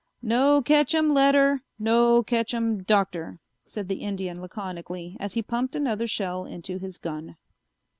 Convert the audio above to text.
"No ketchum letter, no ketchum Doctor," said the Indian laconically as he pumped another shell into his gun.